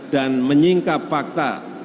dan menyingkap fakta